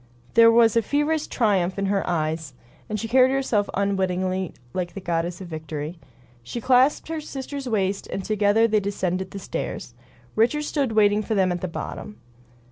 There was a feverish triumph in her eyes, and she carried herself unwittingly like a goddess of Victory. She clasped her sister's waist, and together they descended the stairs. Richards stood waiting for them at the bottom.